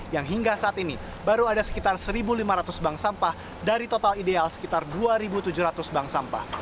yang hingga saat ini baru ada sekitar satu lima ratus bank sampah dari total ideal sekitar dua tujuh ratus bank sampah